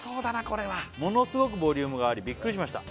これは「ものすごくボリュームがあり」「びっくりしました」